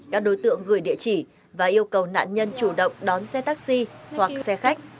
các đối tượng gửi địa chỉ và yêu cầu nạn nhân chủ động đón xe taxi hoặc xe khách